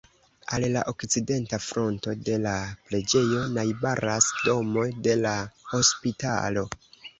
Al la okcidenta fronto de la preĝejo najbaras domo de la hospitalo.